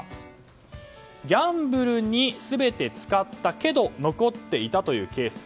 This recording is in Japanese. ギャンブルに全て使ったけど残っていたというケース。